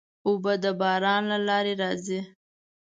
اوبه د باران له لارې راځي.